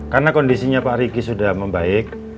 karena kondisinya pak riki sudah membaik